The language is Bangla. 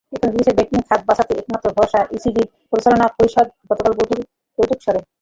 এখন গ্রিসের ব্যাংকিং খাত বাঁচাতে একমাত্র ভরসা ইসিবির পরিচালনা পরিষদও গতকাল বৈঠক সারে।